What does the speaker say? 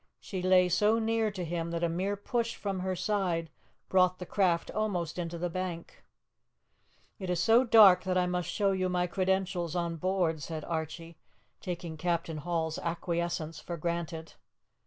She lay so near to them that a mere push from her side brought the craft almost into the bank. "It is so dark that I must show you my credentials on board," said Archie, taking Captain Hall's acquiescence for granted.